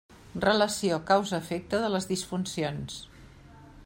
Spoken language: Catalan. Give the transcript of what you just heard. Relació causa efecte de les disfuncions.